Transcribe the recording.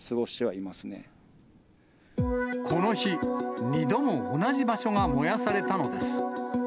この日、２度も同じ場所が燃やされたのです。